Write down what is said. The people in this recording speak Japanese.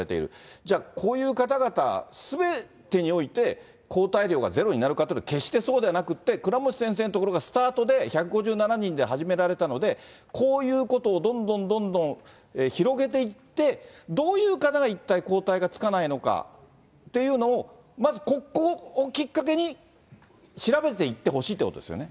じゃあ、こういう方々、すべてにおいて、抗体量がゼロになるかというと決してそうではなくて、倉持先生のところがスタートで、１５７人で始められたので、こういうことをどんどんどんどん広げていって、どういう方が一体抗体がつかないのかっていうのを、まずここをきっかけに調べていってほしいということですよね。